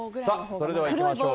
それでは行きましょう。